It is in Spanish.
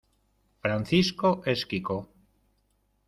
Francisco es quico.